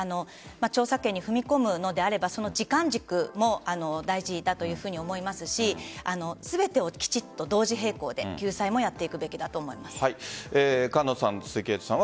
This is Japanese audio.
調査権に踏み込むのであれば時間軸も大事だと思いますし全てをきちっと同時並行で救済もやっていくべきだと菅野さん鈴木さん